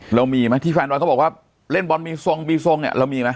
เรามีไหมที่แฟนบอลเขาบอกว่าเล่นบอลมีทรงมีทรงเนี่ยเรามีไหม